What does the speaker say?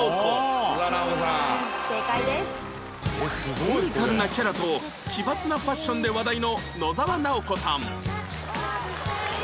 コミカルなキャラと奇抜なファッションで話題の野沢直子さん